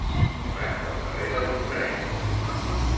Vaig al carrer de Balsareny.